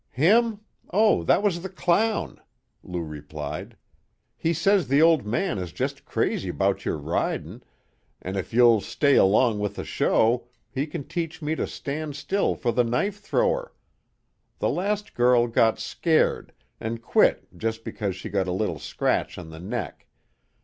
"Him? Oh, that was the clown," Lou replied. "He says the old man is just crazy 'bout your ridin', an' if you'll stay along with the show he can teach me to stand still for the knife thrower; the last girl got scared, an' quit just because she got a little scratch on the neck.